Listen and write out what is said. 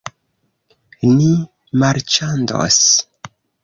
Ni marĉandos.